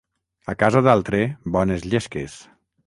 A casa d'altre, bones llesques.